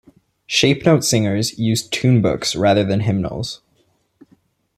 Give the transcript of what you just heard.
Shape-note singers used tune books rather than hymnals.